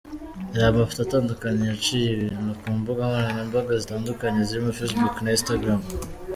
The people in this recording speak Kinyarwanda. Reba amafoto atandukanye yaciye ibintu ku mbuga nkoranyambaga zitandukanye zirimo Facebook na Instagram .